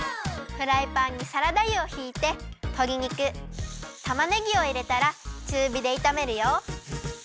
フライパンにサラダ油をひいてとり肉たまねぎをいれたらちゅうびでいためるよ。